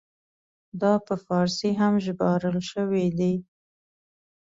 دا په فارسي هم ژباړل شوی دی.